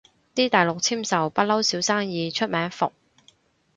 啲大陸簽售不嬲少生意，出名伏